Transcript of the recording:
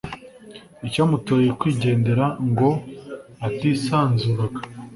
icyamuteye kwigendera nko atisanzuraga